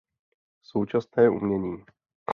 Současné umění.